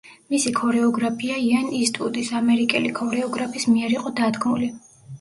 მისი ქორეოგრაფია იენ ისტვუდის, ამერიკელი ქორეოგრაფის მიერ იყო დადგმული.